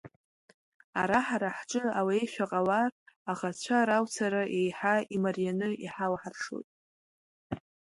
Ара, ҳара ҳҿы алеишәа ҟалар, аӷацәа ралцара еиҳа имарианы иҳалҳаршоит.